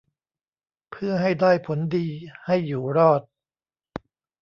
เพื่อให้ได้ผลดีให้อยู่รอด